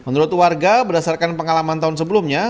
menurut warga berdasarkan pengalaman tahun sebelumnya